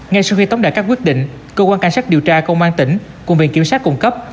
ngay sau khi tống đạt các quyết định cơ quan cảnh sát điều tra công an tỉnh cùng viện kiểm sát cung cấp